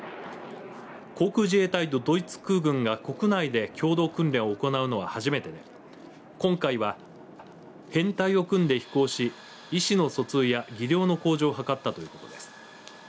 航空自衛隊とドイツ空軍が国内で共同訓練を行うのは初めてで今回は編隊を組んで飛行し意思の疎通や技量の向上を図ったということです。